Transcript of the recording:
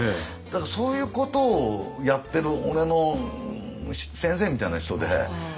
だからそういうことをやってる俺の先生みたいな人で。